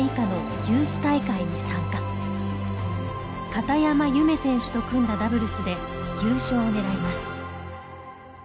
片山結愛選手と組んだダブルスで優勝を狙います。